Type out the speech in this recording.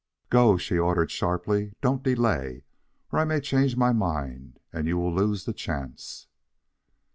"Go on," she ordered sharply. "Don't delay, or I may change my mind, and you will lose the chance."